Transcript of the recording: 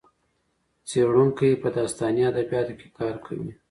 څېړونکی په داستاني ادبیاتو کې کار کوي.